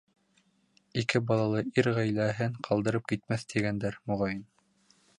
Ике балалы ир ғаиләһен ҡалдырып китмәҫ тигәндер, моғайын.